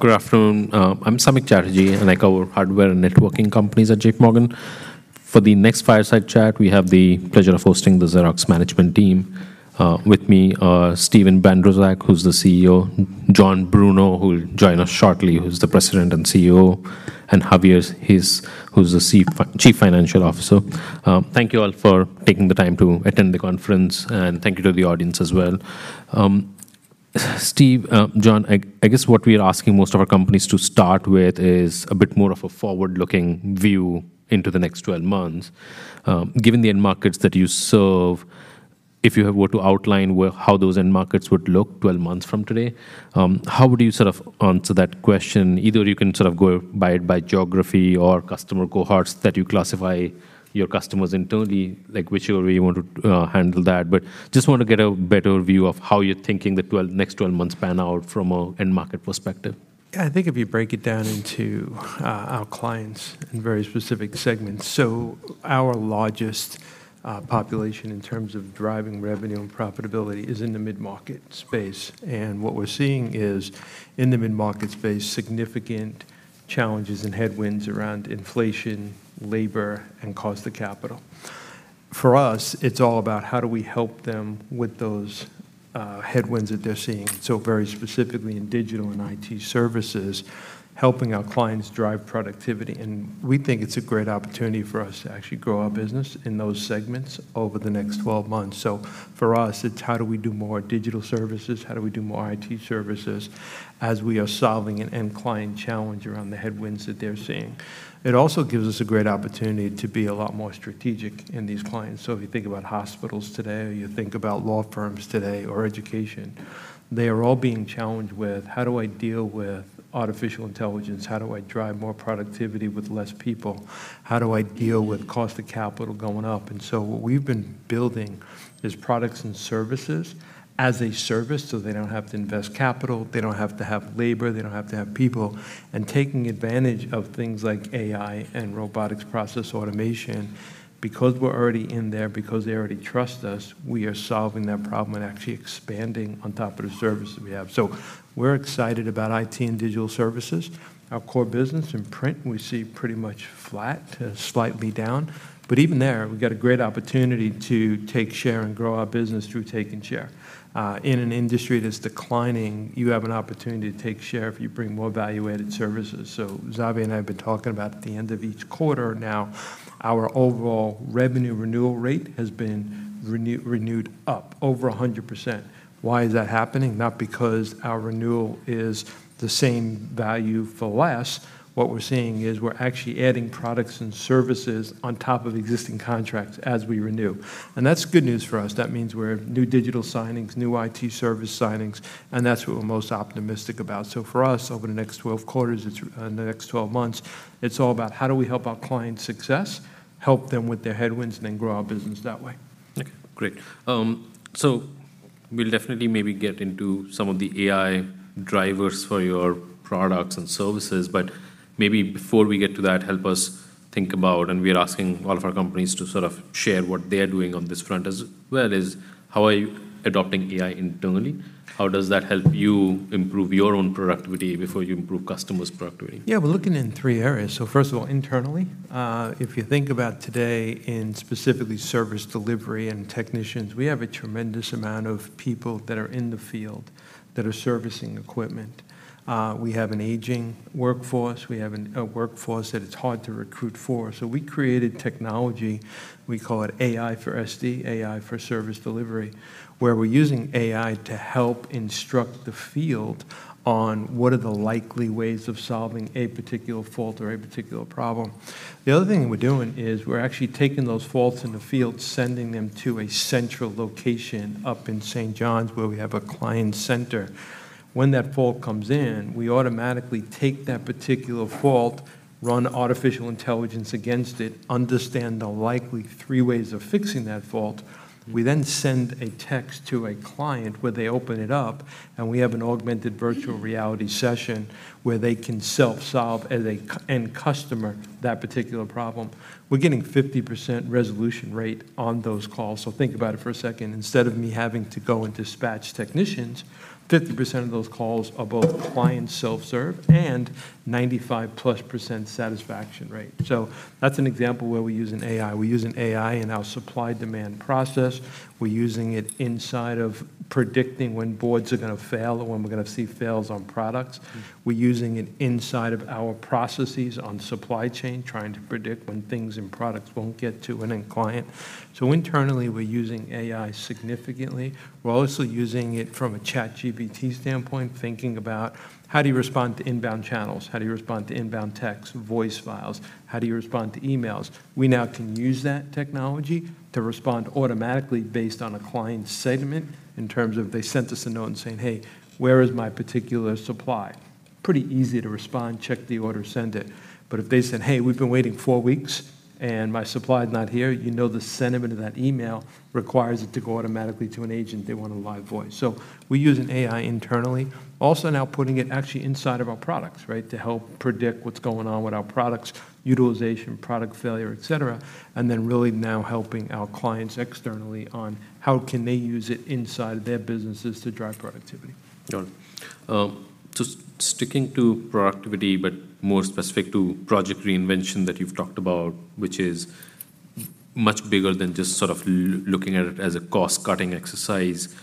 Good afternoon. I'm Samik Chatterjee, and I cover hardware and networking companies at JPMorgan. For the next fireside chat, we have the pleasure of hosting the Xerox management team. With me, Steven Bandrowczak, who's the CEO; John Bruno, who will join us shortly, who's the president and CEO; and Xavier, who's the Chief Financial Officer. Thank you all for taking the time to attend the conference, and thank you to the audience as well. Steve, John, I guess what we are asking most of our companies to start with is a bit more of a forward-looking view into the next 12 months. Given the end markets that you serve, if you have were to outline where, how those end markets would look 12 months from today, how would you sort of answer that question? Either you can sort of go by it by geography or customer cohorts that you classify your customers internally, like, whichever way you want to, handle that. But just want to get a better view of how you're thinking the next 12 months pan out from an end market perspective. I think if you break it down into our clients in very specific segments. So our largest population in terms of driving revenue and profitability is in the mid-market space, and what we're seeing is, in the mid-market space, significant challenges and headwinds around inflation, labor, and cost of capital. For us, it's all about how do we help them with those headwinds that they're seeing? So very specifically in digital and IT services, helping our clients drive productivity, and we think it's a great opportunity for us to actually grow our business in those segments over the next 12 months. So for us, it's how do we do more digital services, how do we do more IT services, as we are solving an end client challenge around the headwinds that they're seeing. It also gives us a great opportunity to be a lot more strategic in these clients. So if you think about hospitals today, or you think about law firms today, or education, they are all being challenged with: How do I deal with artificial intelligence? How do I drive more productivity with less people? How do I deal with cost of capital going up? And so what we've been building is products and services as a service, so they don't have to invest capital, they don't have to have labor, they don't have to have people, and taking advantage of things like AI and robotic process automation. Because we're already in there, because they already trust us, we are solving that problem and actually expanding on top of the services we have. So we're excited about IT and digital services. Our core business in print, we see pretty much flat to slightly down, but even there, we've got a great opportunity to take share and grow our business through taking share. In an industry that's declining, you have an opportunity to take share if you bring more value-added services. So Xavi and I have been talking about at the end of each quarter now, our overall revenue renewal rate has been renewed up over 100%. Why is that happening? Not because our renewal is the same value for less. What we're seeing is we're actually adding products and services on top of existing contracts as we renew, and that's good news for us. That means we're new digital signings, new IT service signings, and that's what we're most optimistic about. So for us, over the next 12 quarters, it's the next 12 months, it's all about: How do we help our clients' success, help them with their headwinds, and then grow our business that way? Okay, great. So we'll definitely maybe get into some of the AI drivers for your products and services, but maybe before we get to that, help us think about, and we are asking all of our companies to sort of share what they are doing on this front as well, is how are you adopting AI internally? How does that help you improve your own productivity before you improve customers' productivity? Yeah, we're looking in three areas. So first of all, internally, if you think about today in specifically service delivery and technicians, we have a tremendous amount of people that are in the field that are servicing equipment. We have an aging workforce. We have a workforce that it's hard to recruit for. So we created technology, we call it AI for SD, AI for service delivery, where we're using AI to help instruct the field on what are the likely ways of solving a particular fault or a particular problem. The other thing we're doing is we're actually taking those faults in the field, sending them to a central location up in St. John's, where we have a client center. When that fault comes in, we automatically take that particular fault, run artificial intelligence against it, understand the likely three ways of fixing that fault. We then send a text to a client, where they open it up, and we have an augmented virtual reality session where they can self-solve as an end customer that particular problem. We're getting 50% resolution rate on those calls. So think about it for a second. Instead of me having to go and dispatch technicians, 50% of those calls are both client self-serve and 95%+ satisfaction rate. So that's an example where we're using AI. We're using AI in our supply-demand process. We're using it inside of predicting when boards are gonna fail or when we're gonna see fails on products. Mm. We're using it inside of our processes on supply chain, trying to predict when things and products won't get to an end client. So internally, we're using AI significantly. We're also using it from a ChatGPT standpoint, thinking about: How do you respond to inbound channels? How do you respond to inbound text, voice files? How do you respond to emails? We now can use that technology to respond automatically based on a client's segment, in terms of they sent us a note saying, "Hey, where is my particular supply?" Pretty easy to respond, check the order, send it. But if they said, "Hey, we've been waiting four weeks, and my supply is not here," you know the sentiment of that email requires it to go automatically to an agent. They want a live voice. So we're using AI internally. Also, now putting it actually inside of our products, right? To help predict what's going on with our products, utilization, product failure, et cetera, and then really now helping our clients externally on how can they use it inside of their businesses to drive produ ctivity. So sticking to productivity, but more specific to Project Reinvention that you've talked about, which is much bigger than just sort of looking at it as a cost-cutting exercise.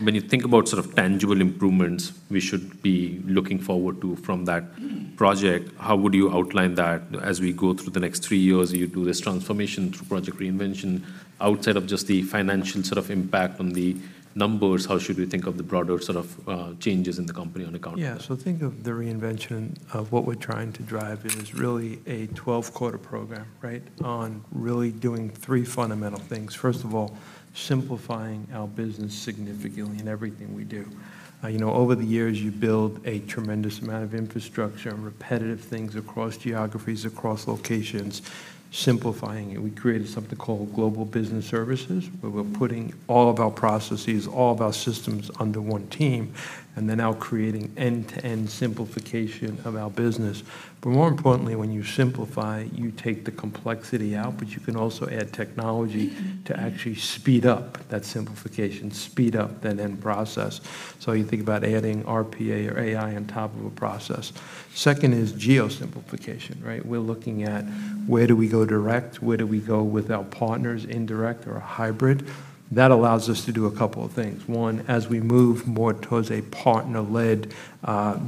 When you think about sort of tangible improvements we should be looking forward to from that project, how would you outline that as we go through the next three years, you do this transformation through Project Reinvention? Outside of just the financial sort of impact on the numbers, how should we think of the broader sort of changes in the company on account? Yeah, so think of the reinvention of what we're trying to drive is really a 12-quarter program, right? On really doing three fundamental things. First of all, simplifying our business significantly in everything we do. You know, over the years, you build a tremendous amount of infrastructure and repetitive things across geographies, across locations. Simplifying it, we created something called Global Business Services, where we're putting all of our processes, all of our systems under one team, and then now creating end-to-end simplification of our business. But more importantly, when you simplify, you take the complexity out, but you can also add technology to actually speed up that simplification, speed up that end process. So you think about adding RPA or AI on top of a process. Second is geo-simplification, right? We're looking at where do we go direct, where do we go with our partners, indirect or a hybrid. That allows us to do a couple of things. One, as we move more towards a partner-led,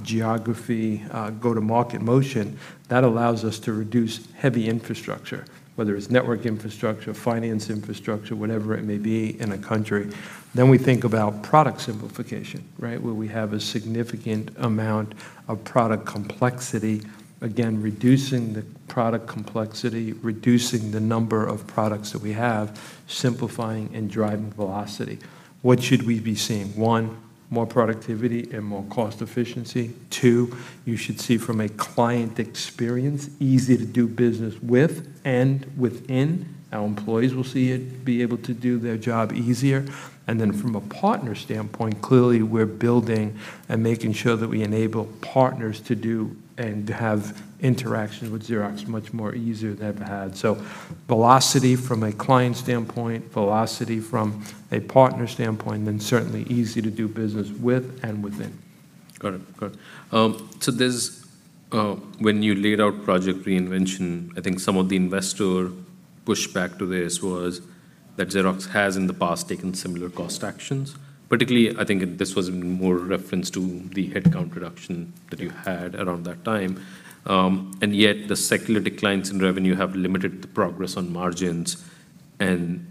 geography, go-to-market motion, that allows us to reduce heavy infrastructure, whether it's network infrastructure, finance infrastructure, whatever it may be in a country. Then we think about product simplification, right? Where we have a significant amount of product complexity, again, reducing the product complexity, reducing the number of products that we have, simplifying and driving velocity. What should we be seeing? One, more productivity and more cost efficiency. Two, you should see from a client experience, easy to do business with and within. Our employees will see it, be able to do their job easier. Then from a partner standpoint, clearly, we're building and making sure that we enable partners to do and have interactions with Xerox much more easier than they've had. Velocity from a client standpoint, velocity from a partner standpoint, and certainly easy to do business with and within. Got it. Got it. So there's... When you laid out Project Reinvention, I think some of the investor pushback to this was that Xerox has, in the past, taken similar cost actions. Particularly, I think this was in more reference to the headcount reduction that you had around that time. And yet, the secular declines in revenue have limited the progress on margins, and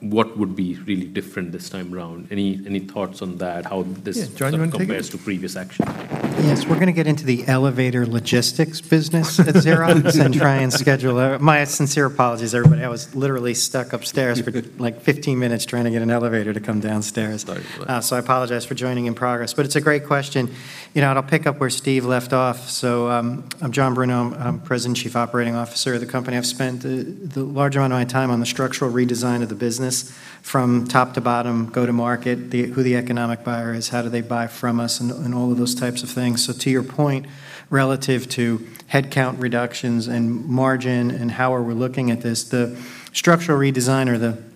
what would be really different this time around? Any, any thoughts on that, how this- Yeah, John, you want to take it? - compares to previous actions? Yes, we're going to get into the elevator logistics business at Xerox and try and schedule a... My sincere apologies, everybody. I was literally stuck upstairs for, like, 15 minutes, trying to get an elevator to come downstairs. Right. Right. So I apologize for joining in progress, but it's a great question. You know, and I'll pick up where Steve left off. So, I'm John Bruno. I'm President and Chief Operating Officer of the company. I've spent the large amount of my time on the structural redesign of the business from top to bottom, go-to-market, who the economic buyer is, how do they buy from us, and all of those types of things. So to your point, relative to headcount reductions and margin, and how are we looking at this, the structural redesign or the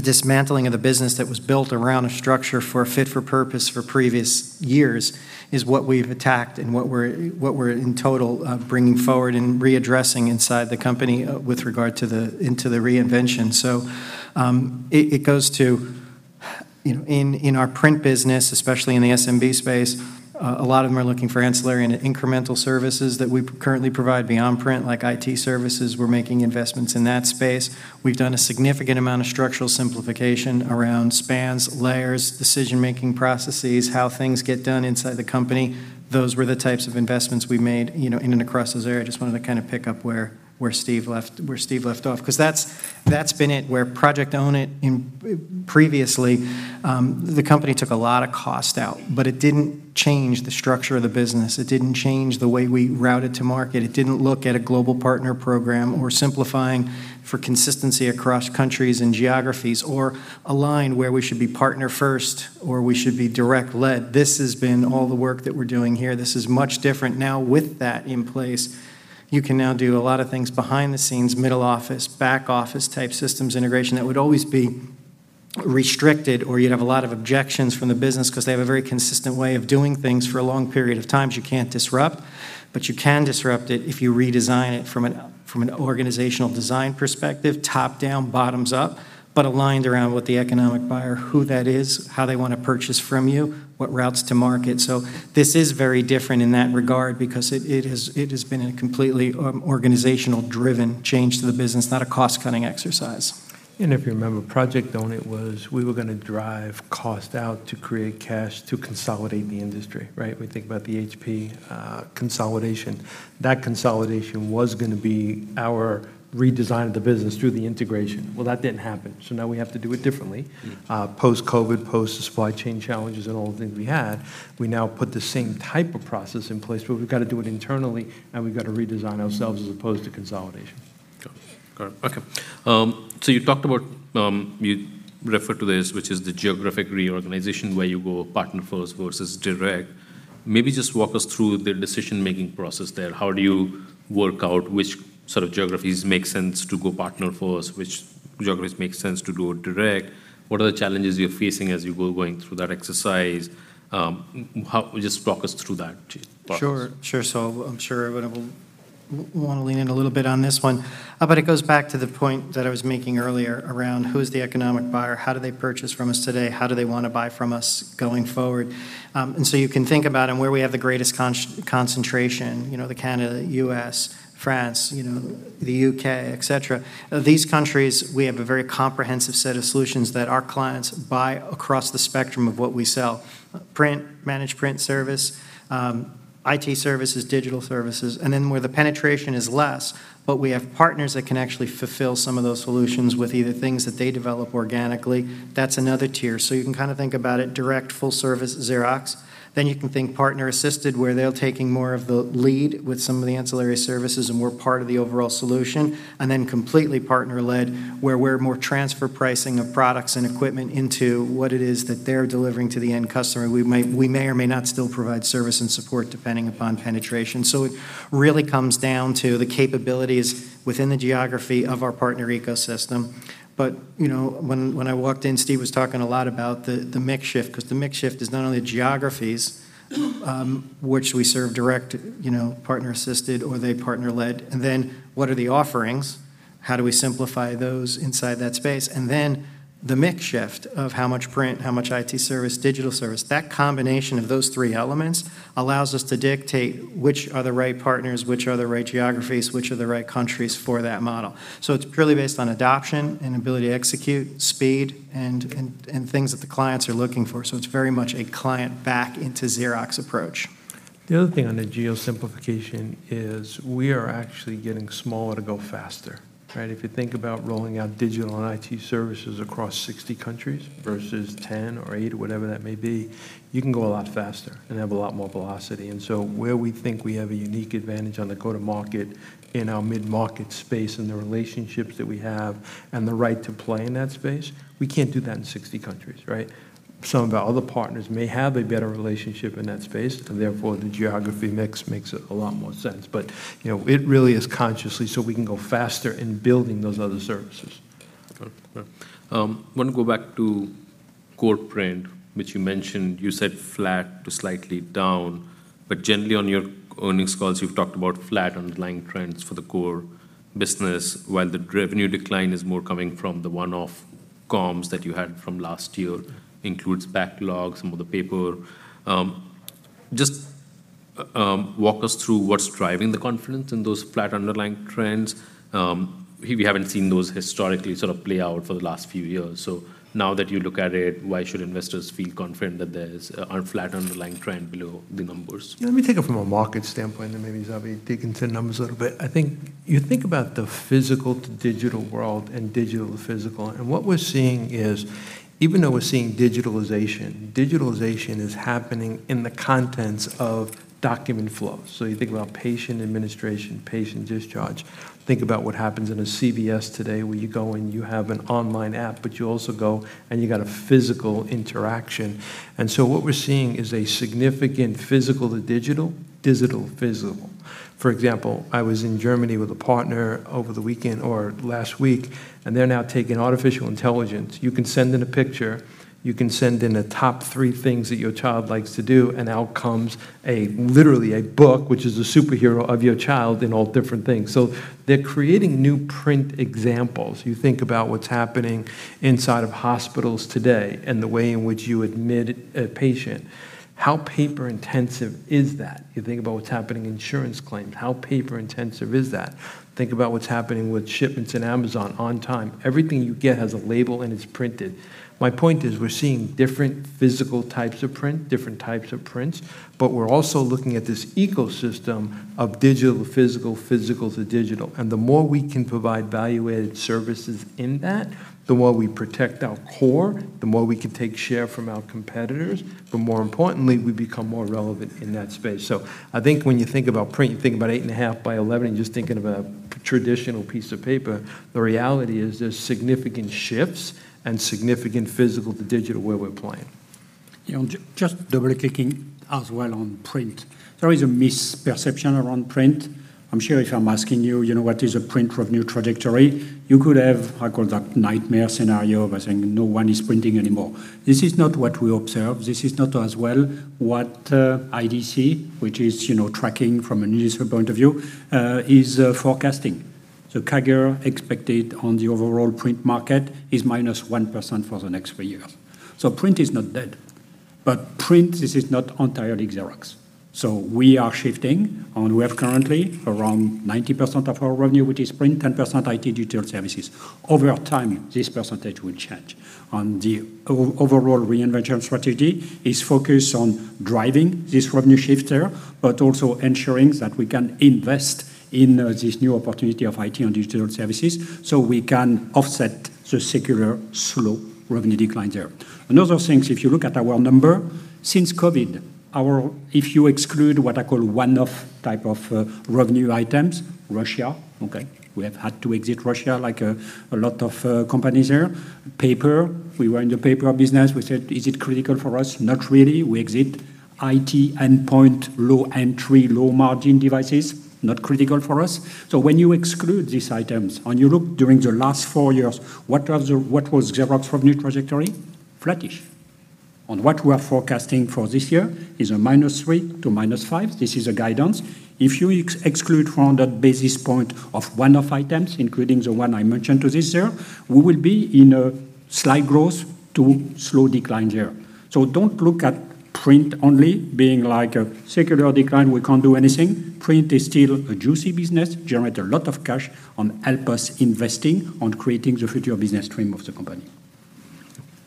dismantling of the business that was built around a structure for a fit for purpose for previous years, is what we've attacked and what we're, in total, bringing forward and readdressing inside the company, with regard to the reinvention. So, it goes to, you know, in our print business, especially in the SMB space, a lot of them are looking for ancillary and incremental services that we currently provide beyond print, like IT services. We're making investments in that space. We've done a significant amount of structural simplification around spans, layers, decision-making processes, how things get done inside the company. Those were the types of investments we made, you know, in and across those areas. I just wanted to kind of pick up where Steve left off, 'cause that's been it, where Project Own It in... Previously, the company took a lot of cost out, but it didn't change the structure of the business. It didn't change the way we routed to market. It didn't look at a global partner program or simplifying for consistency across countries and geographies, or align where we should be partner first or we should be direct led. This has been all the work that we're doing here. This is much different. Now, with that in place, you can now do a lot of things behind the scenes, middle office, back office-type systems, integration, that would always be restricted, or you'd have a lot of objections from the business, 'cause they have a very consistent way of doing things for a long period of time, so you can't disrupt. But you can disrupt it if you redesign it from an organizational design perspective, top-down, bottoms-up, but aligned around what the economic buyer, who that is, how they want to purchase from you, what routes to market. So this is very different in that regard because it has been a completely organizational-driven change to the business, not a cost-cutting exercise. If you remember, Project Own It was, we were gonna drive cost out to create cash to consolidate the industry, right? We think about the HP consolidation. That consolidation was gonna be our redesign of the business through the integration. Well, that didn't happen, so now we have to do it differently. Mm-hmm. Post-COVID, post the supply chain challenges and all the things we had, we now put the same type of process in place, but we've got to do it internally, and we've got to redesign ourselves as opposed to consolidation. Okay. So you talked about... You referred to this, which is the geographic reorganization, where you go partner first versus direct... maybe just walk us through the decision-making process there. How do you work out which sort of geographies make sense to go partner first, which geographies make sense to go direct? What are the challenges you're facing as you go, going through that exercise? Just walk us through that please. Sure. So I'm sure everyone will wanna lean in a little bit on this one. But it goes back to the point that I was making earlier around who's the economic buyer? How do they purchase from us today? How do they wanna buy from us going forward? And so you can think about where we have the greatest concentration, you know, the Canada, U.S., France, you know, the U.K., et cetera. These countries, we have a very comprehensive set of solutions that our clients buy across the spectrum of what we sell: print, managed print service, IT services, digital services. And then where the penetration is less, but we have partners that can actually fulfill some of those solutions with either things that they develop organically, that's another tier. So you can kind of think about it, direct full service Xerox. Then you can think partner-assisted, where they're taking more of the lead with some of the ancillary services, and we're part of the overall solution. And then completely partner-led, where we're more transfer pricing of products and equipment into what it is that they're delivering to the end customer. We may or may not still provide service and support, depending upon penetration. So it really comes down to the capabilities within the geography of our partner ecosystem. But, you know, when I walked in, Steve was talking a lot about the mix shift, 'cause the mix shift is not only geographies, which we serve direct, you know, partner-assisted or they partner-led. And then, what are the offerings? How do we simplify those inside that space? And then the mix shift of how much print, how much IT service, digital service. That combination of those three elements allows us to dictate which are the right partners, which are the right geographies, which are the right countries for that model. So it's purely based on adoption and ability to execute, speed, and things that the clients are looking for, so it's very much a client-back-into-Xerox approach. The other thing on the geo-simplification is we are actually getting smaller to go faster, right? If you think about rolling out digital and IT services across 60 countries versus 10 or eight or whatever that may be, you can go a lot faster and have a lot more velocity. And so where we think we have a unique advantage on the go-to-market in our mid-market space, and the relationships that we have, and the right to play in that space, we can't do that in 60 countries, right? Some of our other partners may have a better relationship in that space, and therefore, the geography mix makes a lot more sense. But, you know, it really is consciously so we can go faster in building those other services. Okay. Yeah. I wanna go back to core print, which you mentioned. You said flat to slightly down, but generally on your earnings calls, you've talked about flat underlying trends for the core business, while the revenue decline is more coming from the one-off comms that you had from last year, includes backlogs, some of the paper. Just walk us through what's driving the confidence in those flat underlying trends. We haven't seen those historically sort of play out for the last few years. So now that you look at it, why should investors feel confident that there's a flat underlying trend below the numbers? Let me take it from a market standpoint, and then maybe Xavi dig into the numbers a little bit. I think you think about the physical to digital world and digital to physical, and what we're seeing is, even though we're seeing digitalization, digitalization is happening in the contents of document flow. So you think about patient administration, patient discharge. Think about what happens in a CVS today, where you go, and you have an online app, but you also go, and you've got a physical interaction. And so what we're seeing is a significant physical to digital, digital to physical. For example, I was in Germany with a partner over the weekend or last week, and they're now taking artificial intelligence. You can send in a picture, you can send in the top three things that your child likes to do, and out comes a... Literally a book, which is a superhero of your child in all different things. So they're creating new print examples. You think about what's happening inside of hospitals today and the way in which you admit a patient. How paper-intensive is that? You think about what's happening in insurance claims. How paper-intensive is that? Think about what's happening with shipments in Amazon on time. Everything you get has a label, and it's printed. My point is, we're seeing different physical types of print, different types of prints, but we're also looking at this ecosystem of digital to physical, physical to digital. And the more we can provide value-added services in that, the more we protect our core, the more we can take share from our competitors, but more importantly, we become more relevant in that space. I think when you think about print, you think about 8.5 in by 11 in, and you're just thinking of a traditional piece of paper. The reality is there's significant shifts and significant physical to digital where we're playing. You know, just double-clicking as well on print. There is a misperception around print. I'm sure if I'm asking you, you know, what is a print revenue trajectory, you could have, I call that nightmare scenario, by saying no one is printing anymore. This is not what we observe. This is not as well what, IDC, which is, you know, tracking from a news point of view, is forecasting. The CAGR expected on the overall print market is minus 1% for the next three years. So print is not dead, but print, this is not entirely Xerox. So we are shifting, and we have currently around 90% of our revenue, which is print, 10% IT digital services. Over time, this percentage will change, and the overall reinvention strategy is focused on driving this revenue shift there, but also ensuring that we can invest in this new opportunity of IT and digital services, so we can offset the secular slow revenue decline there. Another thing, if you look at our number, since COVID, if you exclude what I call one-off type of revenue items, Russia, okay? We have had to exit Russia like a lot of companies there. Paper, we were in the paper business. We said, "Is it critical for us? Not really." We exit. IT endpoint, low entry, low-margin devices, not critical for us. So when you exclude these items, and you look during the last four years, what was Xerox's revenue trajectory? Flattish... On what we are forecasting for this year is a -3% -5%. This is guidance. If you exclude from that basis point of one-off items, including the one I mentioned to this year, we will be in a slight growth to slow decline there. So don't look at print only being like a secular decline, we can't do anything. Print is still a juicy business, generate a lot of cash, and help us investing on creating the future business stream of the company.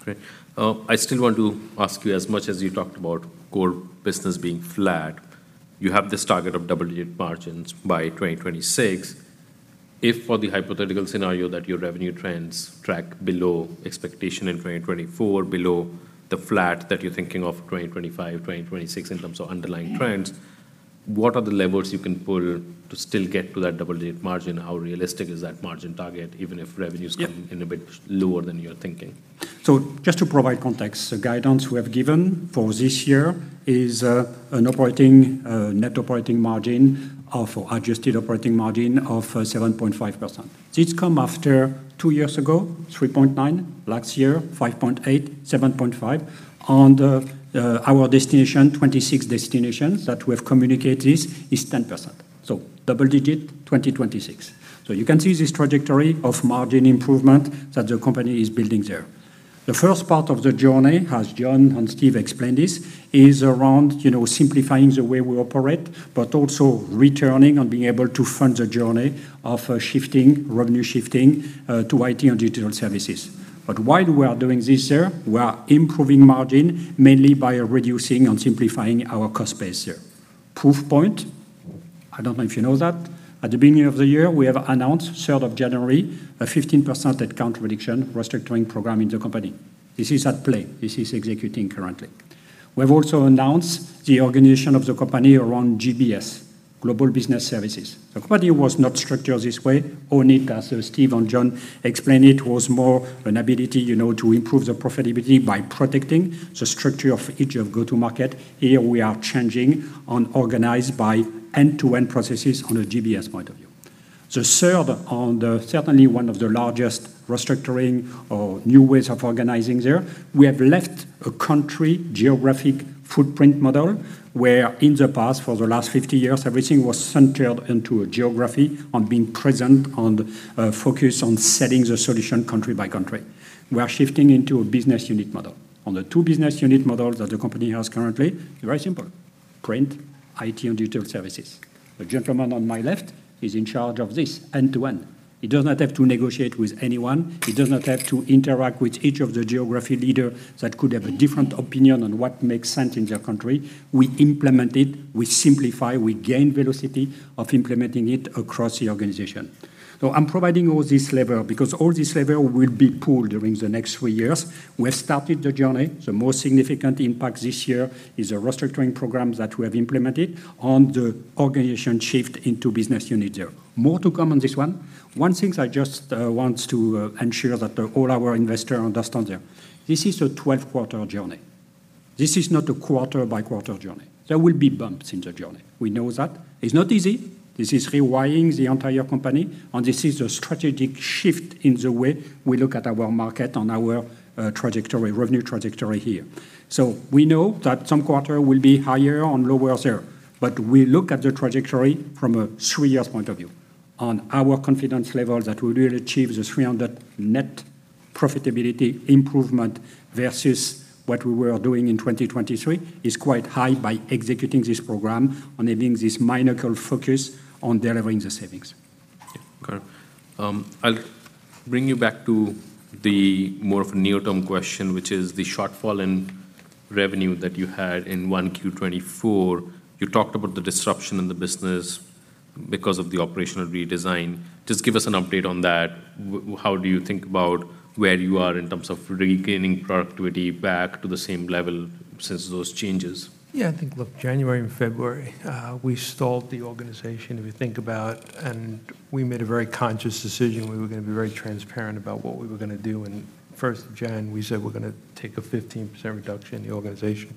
Great. I still want to ask you, as much as you talked about core business being flat, you have this target of double-digit margins by 2026. If for the hypothetical scenario that your revenue trends track below expectation in 2024, below the flat that you're thinking of 2025, 2026 in terms of underlying trends, what are the levers you can pull to still get to that double-digit margin? How realistic is that margin target, even if revenue is- Yeah... coming in a bit lower than you're thinking? So just to provide context, the guidance we have given for this year is, an operating, net operating margin of... adjusted operating margin of, 7.5%. This come after two years ago, 3.9%; last year, 5.8, 7.5. On the, our destination, 2026 destination that we have communicated is, is 10%, so double digit 2026. So you can see this trajectory of margin improvement that the company is building there. The first part of the journey, as John and Steve explained this, is around, you know, simplifying the way we operate, but also returning and being able to fund the journey of, shifting, revenue shifting, to IT and digital services. But while we are doing this here, we are improving margin mainly by reducing and simplifying our cost base here. Proof point, I don't know if you know that, at the beginning of the year, we have announced, third of January, a 15% headcount reduction restructuring program in the company. This is at play. This is executing currently. We've also announced the organization of the company around GBS, Global Business Services. The company was not structured this way, only as Steve and John explained it, was more an ability, you know, to improve the profitability by protecting the structure of each of go-to-market. Here we are changing and organized by end-to-end processes on a GBS point of view. The third, and certainly one of the largest restructuring or new ways of organizing there, we have left a country geographic footprint model, where in the past, for the last 50 years, everything was centered into a geography on being present and focused on selling the solution country by country. We are shifting into a business unit model. On the two business unit model that the company has currently, very simple: print, IT, and digital services. The gentleman on my left is in charge of this end-to-end. He does not have to negotiate with anyone. He does not have to interact with each of the geography leader that could have a different opinion on what makes sense in their country. We implement it, we simplify, we gain velocity of implementing it across the organization. So I'm providing all this level because all this level will be pulled during the next three years. We have started the journey. The most significant impact this year is a restructuring program that we have implemented, and the organization shift into business unit there. More to come on this one. One thing I just want to ensure that all our investors understand here, this is a 12-quarter journey. This is not a quarter-by-quarter journey. There will be bumps in the journey. We know that. It's not easy. This is rewiring the entire company, and this is a strategic shift in the way we look at our market and our trajectory, revenue trajectory here. So we know that some quarter will be higher and lower there, but we look at the trajectory from a thee-year point of view. On our confidence level, that we will achieve the 300 net profitability improvement versus what we were doing in 2023, is quite high by executing this program and having this monocle focus on delivering the savings. Yeah, got it. I'll bring you back to the more of a near-term question, which is the shortfall in revenue that you had in Q1 2024. You talked about the disruption in the business because of the operational redesign. Just give us an update on that. How do you think about where you are in terms of regaining productivity back to the same level since those changes? Yeah, I think, look, January and February, we stalled the organization, if you think about it, and we made a very conscious decision. We were gonna be very transparent about what we were gonna do. And first of January, we said we're gonna take a 15% reduction in the organization.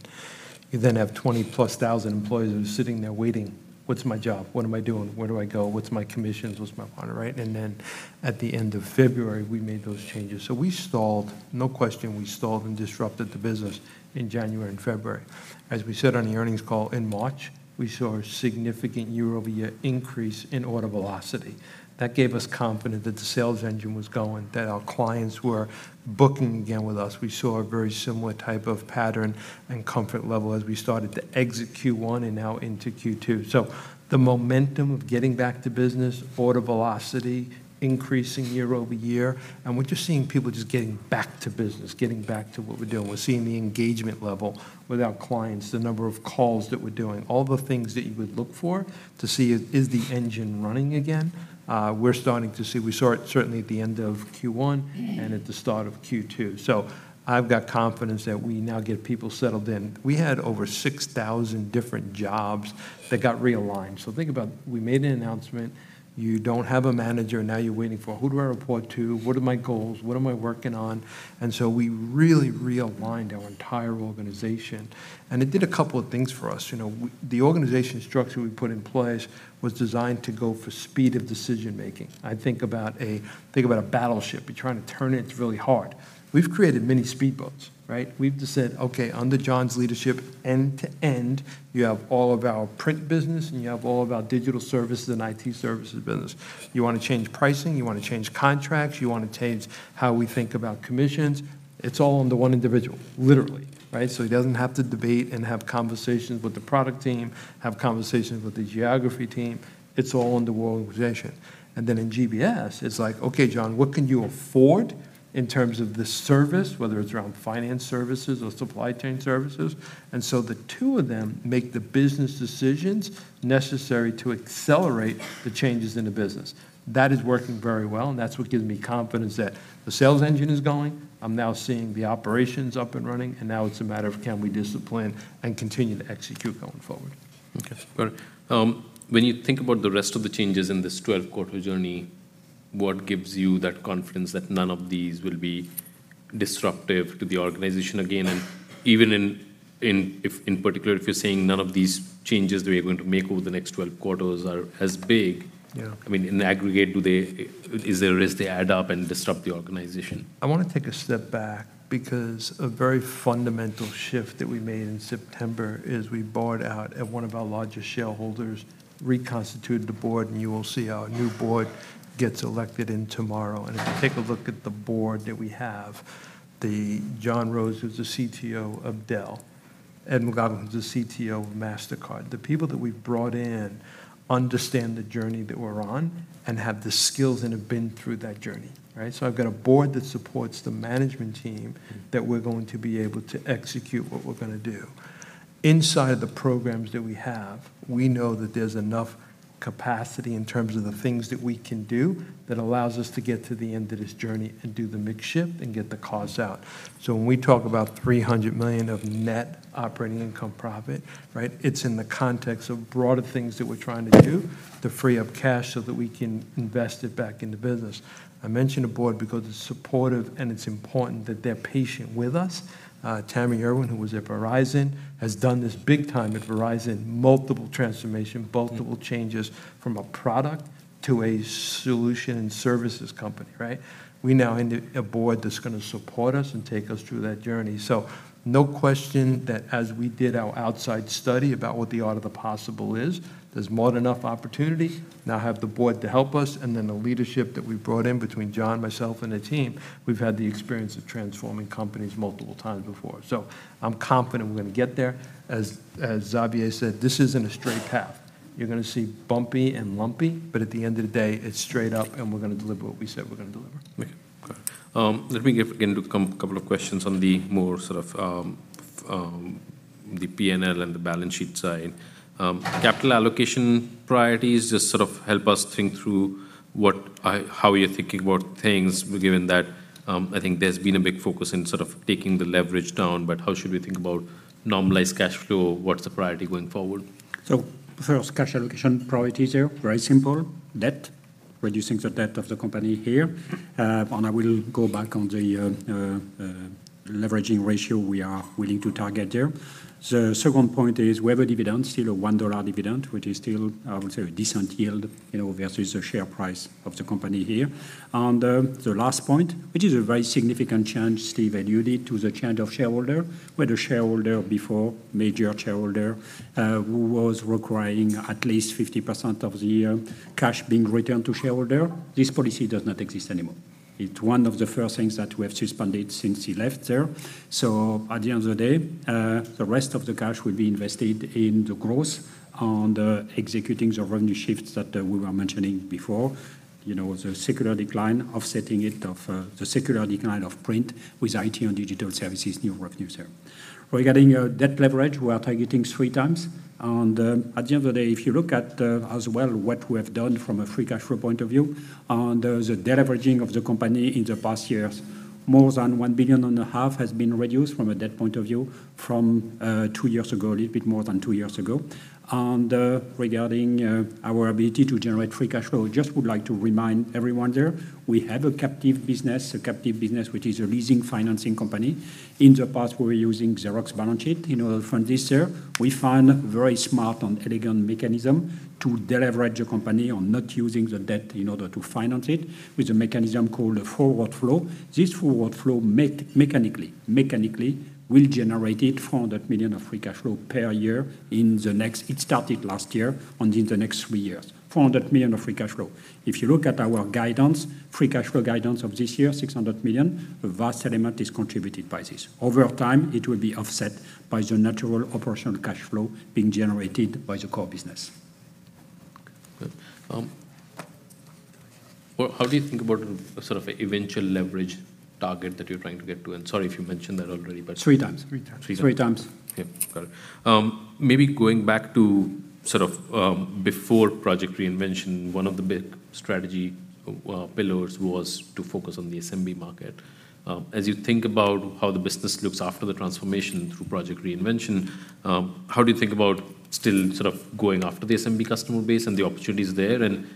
You then have 20-plus thousand employees who are sitting there waiting: "What's my job? What am I doing? Where do I go? What's my commissions? What's my profit?" Right? And then at the end of February, we made those changes. So we stalled. No question, we stalled and disrupted the business in January and February. As we said on the earnings call in March, we saw a significant year-over-year increase in order velocity. That gave us confidence that the sales engine was going, that our clients were booking again with us. We saw a very similar type of pattern and comfort level as we started to exit Q1 and now into Q2. So the momentum of getting back to business, order velocity increasing year-over-year, and we're just seeing people just getting back to business, getting back to what we're doing. We're seeing the engagement level with our clients, the number of calls that we're doing, all the things that you would look for to see if, is the engine running again? We're starting to see... We saw it certainly at the end of Q1 and at the start of Q2. So I've got confidence that we now get people settled in. We had over 6,000 different jobs that got realigned. So think about, we made an announcement. You don't have a manager, now you're waiting for: Who do I report to? What are my goals? What am I working on? And so we really realigned our entire organization, and it did a couple of things for us. You know, the organization structure we put in place was designed to go for speed of decision-making. I think about a battleship. You're trying to turn it, it's really hard. We've created many speedboats, right? We've just said, "Okay, under John's leadership, end-to-end, you have all of our print business, and you have all of our digital services and IT services business. You wanna change pricing, you wanna change contracts, you wanna change how we think about commissions, it's all under one individual," literally, right? So he doesn't have to debate and have conversations with the product team, have conversations with the geography team. It's all in the organization. And then in GBS, it's like, "Okay, John, what can you afford?"... In terms of the service, whether it's around finance services or supply chain services. And so the two of them make the business decisions necessary to accelerate the changes in the business. That is working very well, and that's what gives me confidence that the sales engine is going. I'm now seeing the operations up and running, and now it's a matter of, can we discipline and continue to execute going forward? Okay, great. When you think about the rest of the changes in this 12-quarter journey, what gives you that confidence that none of these will be disruptive to the organization again? And even if, in particular, if you're saying none of these changes that you're going to make over the next 12 quarters are as big- Yeah... I mean, in the aggregate, do they, is there a risk they add up and disrupt the organization? I wanna take a step back, because a very fundamental shift that we made in September is we bought out one of our largest shareholders, reconstituted the board, and you will see our new board gets elected in tomorrow. And if you take a look at the board that we have, the, John Roese, who's the CTO of Dell, Ed McLaughlin, who's the CTO of Mastercard, the people that we've brought in understand the journey that we're on- Mm... and have the skills and have been through that journey, right? So I've got a board that supports the management team- Mm... that we're going to be able to execute what we're gonna do. Inside the programs that we have, we know that there's enough capacity in terms of the things that we can do, that allows us to get to the end of this journey and do the mix shift and get the costs out. So when we talk about $300 million of net operating income profit, right, it's in the context of broader things that we're trying to do to free up cash so that we can invest it back in the business. I mention the board because it's supportive, and it's important that they're patient with us. Tami Erwin, who was at Verizon, has done this big time at Verizon, multiple transformation- Mm... multiple changes from a product to a solution and services company, right? We now have a board that's gonna support us and take us through that journey. So no question that as we did our outside study about what the art of the possible is, there's more than enough opportunity. Now, I have the board to help us, and then the leadership that we've brought in between John, myself, and the team, we've had the experience of transforming companies multiple times before. So I'm confident we're gonna get there. As Xavier said, this isn't a straight path. You're gonna see bumpy and lumpy, but at the end of the day, it's straight up, and we're gonna deliver what we said we're gonna deliver. Okay. Let me get into a couple of questions on the more sort of the P&L and the balance sheet side. Capital allocation priorities, just sort of help us think through what how you're thinking about things, given that I think there's been a big focus in sort of taking the leverage down. But how should we think about normalized cash flow? What's the priority going forward? First, cash allocation priorities are very simple: debt, reducing the debt of the company here. I will go back on the leveraging ratio we are willing to target there. The second point is we have a dividend, still a $1 dividend, which is still, I would say, a decent yield, you know, versus the share price of the company here. The last point, which is a very significant change, Steve, and you need to the change of shareholder, where the shareholder before, major shareholder, who was requiring at least 50% of the cash being returned to shareholder, this policy does not exist anymore. It's one of the first things that we have suspended since he left there. So at the end of the day, the rest of the cash will be invested in the growth and, executing the revenue shifts that, we were mentioning before. You know, the secular decline, offsetting it of, the secular decline of print with IT and digital services, new revenues there. Regarding, debt leverage, we are targeting 3x. And, at the end of the day, if you look at, as well what we have done from a free cash flow point of view, and there is a deleveraging of the company in the past years, more than $1.5 billion has been reduced from a debt point of view from, two years ago, a little bit more than two years ago. Regarding our ability to generate free cash flow, just would like to remind everyone there, we have a captive business, a captive business, which is a leasing financing company. In the past, we were using Xerox balance sheet. You know, from this year, we find very smart and elegant mechanism to deleverage the company on not using the debt in order to finance it with a mechanism called a forward flow. This forward flow mechanically will generate $400 million of free cash flow per year in the next. It started last year and in the next three years, $400 million of free cash flow. If you look at our guidance, free cash flow guidance of this year, $600 million, a vast element is contributed by this. Over time, it will be offset by the natural operational cash flow being generated by the core business. Okay, good. Well, how do you think about sort of eventual leverage target that you're trying to get to? Sorry if you mentioned that already, but- Three times. Three times. Three times. Three times. Okay, got it. Maybe going back to sort of, before Project Reinvention, one of the big strategy pillars was to focus on the SMB market. As you think about how the business looks after the transformation through Project Reinvention, how do you think about still sort of going after the SMB customer base and the opportunities there? And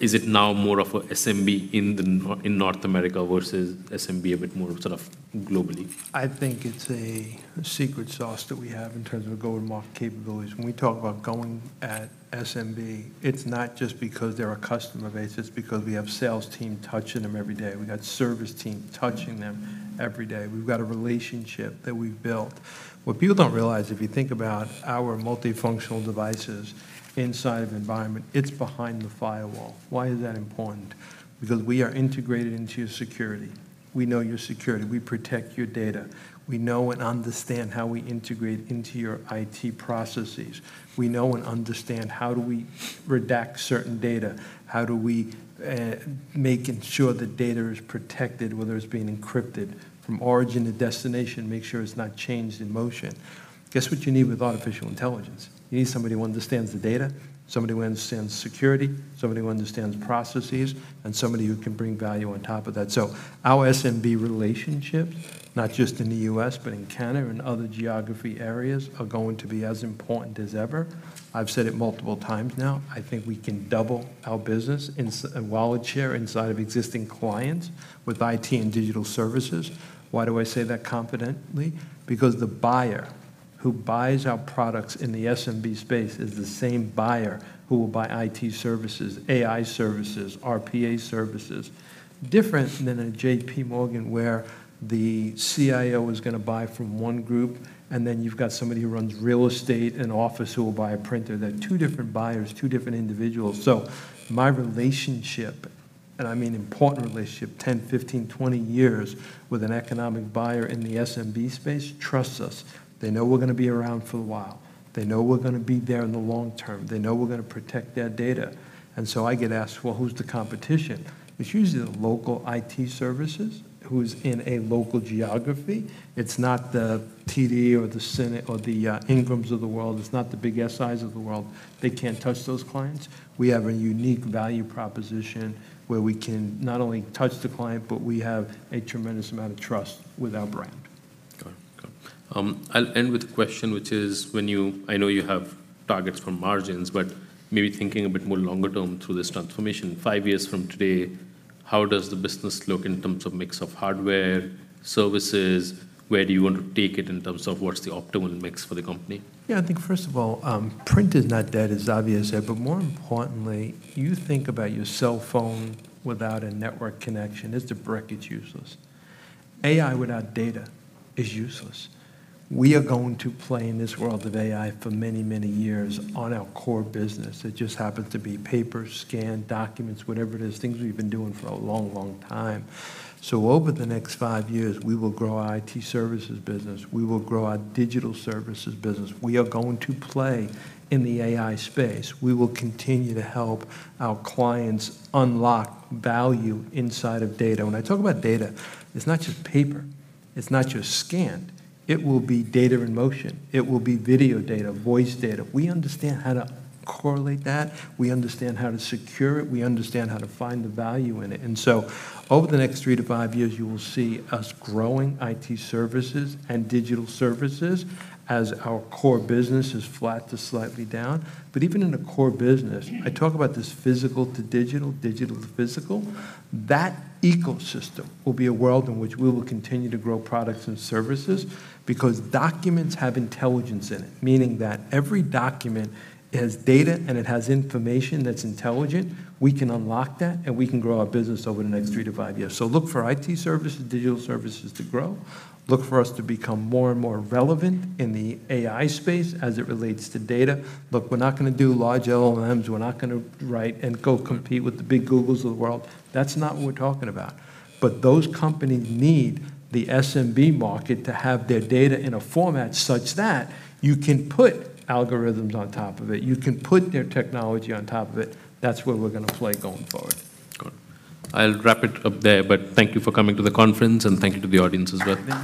is it now more of a SMB in the North America versus SMB, a bit more of sort of globally? I think it's a secret sauce that we have in terms of go-to-market capabilities. When we talk about going at SMB, it's not just because they're a customer base, it's because we have sales team touching them every day. We've got service team touching them every day. We've got a relationship that we've built. What people don't realize, if you think about our multifunctional devices inside of environment, it's behind the firewall. Why is that important? Because we are integrated into your security. We know your security. We protect your data. We know and understand how we integrate into your IT processes. We know and understand how do we redact certain data... how do we make sure the data is protected, whether it's being encrypted from origin to destination, make sure it's not changed in motion? Guess what you need with artificial intelligence? You need somebody who understands the data, somebody who understands security, somebody who understands processes, and somebody who can bring value on top of that. So our SMB relationship, not just in the U.S., but in Canada and other geography areas, are going to be as important as ever. I've said it multiple times now, I think we can double our business in wallet share inside of existing clients with IT and digital services. Why do I say that confidently? Because the buyer who buys our products in the SMB space is the same buyer who will buy IT services, AI services, RPA services. Different than a JPMorgan, where the CIO is gonna buy from one group, and then you've got somebody who runs real estate and office who will buy a printer. They're two different buyers, two different individuals. So my relationship, and I mean important relationship, 10, 15, 20 years with an economic buyer in the SMB space, trusts us. They know we're gonna be around for a while. They know we're gonna be there in the long term. They know we're gonna protect their data. And so I get asked, "Well, who's the competition?" It's usually the local IT services who's in a local geography. It's not the TD or the Ingrams of the world. It's not the big SIs of the world. They can't touch those clients. We have a unique value proposition where we can not only touch the client, but we have a tremendous amount of trust with our brand. Got it. Got it. I'll end with a question, which is when you... I know you have targets for margins, but maybe thinking a bit more longer term through this transformation. Five years from today, how does the business look in terms of mix of hardware, services? Where do you want to take it in terms of what's the optimal mix for the company? Yeah, I think first of all, print is not dead, it's obvious there. But more importantly, you think about your cell phone without a network connection, it's a brick, it's useless. AI without data is useless. We are going to play in this world of AI for many, many years on our core business. It just happens to be paper, scanned documents, whatever it is, things we've been doing for a long, long time. So over the next five years, we will grow our IT services business, we will grow our digital services business. We are going to play in the AI space. We will continue to help our clients unlock value inside of data. When I talk about data, it's not just paper, it's not just scanned. It will be data in motion. It will be video data, voice data. We understand how to correlate that, we understand how to secure it, we understand how to find the value in it, and so over the next three to five years, you will see us growing IT services and digital services as our core business is flat to slightly down. But even in the core business, I talk about this physical to digital, digital to physical. That ecosystem will be a world in which we will continue to grow products and services, because documents have intelligence in it, meaning that every document, it has data and it has information that's intelligent. We can unlock that, and we can grow our business over the next three to five years. So look for IT services, digital services to grow. Look for us to become more and more relevant in the AI space as it relates to data. Look, we're not gonna do large LLMs. We're not gonna write and go compete with the big Googles of the world. That's not what we're talking about. But those companies need the SMB market to have their data in a format such that you can put algorithms on top of it, you can put their technology on top of it. That's where we're gonna play going forward. Got it. I'll wrap it up there, but thank you for coming to the conference, and thank you to the audience as well. Thank you.